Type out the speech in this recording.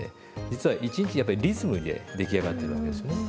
実は一日やっぱりリズムで出来上がってるわけですね。